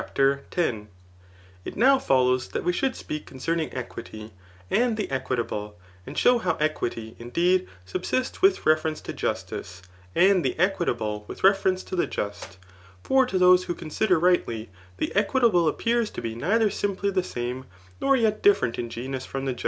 X. ETHICS^ 187 CHAPTER X, ' It now follows that we should speak concenung equity, and the equitable, and show how equity, indeed, subsists with reference to justice, and the equitable with reference to the just; for to those who confer rightly, the equitable appears to be neither simply the same, nor yet diiFerent in genus from the ju^.